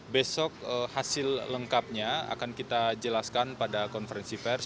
besok hasil lengkapnya akan kita jelaskan pada konferensi pers